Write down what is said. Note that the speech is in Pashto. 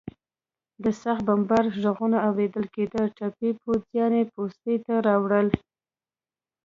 د سخت بمبار غږونه اورېدل کېدل، ټپي پوځیان یې پوستې ته راوړل.